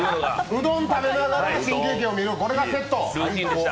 うどん食べながら見るこれがセット！